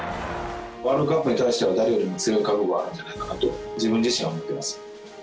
ワールドカップに対しては誰よりも強い覚悟があるんじゃないかと、自分自身は思ってます。